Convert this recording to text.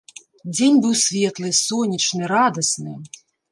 Дзень быў светлы, сонечны, радасны.